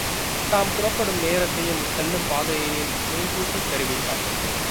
தாம் புறப்படும் நேரத்தையும் செல்லும் பாதையையும் முன்கூட்டித் தெரிவிப்பார்.